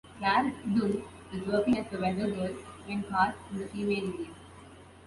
Clare Dunne was working as a weather girl when cast in the female lead.